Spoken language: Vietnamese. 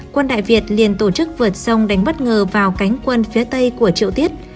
quân đại việt liền tổ chức vượt sông đánh bất ngờ vào cánh quân phía tây của triệu tiết